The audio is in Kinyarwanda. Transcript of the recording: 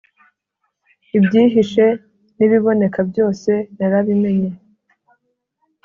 Ibyihishe n’ibiboneka byose, narabimenye,